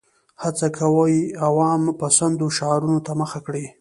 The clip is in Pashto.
هڅه کوي عوام پسندو شعارونو ته مخه کړي.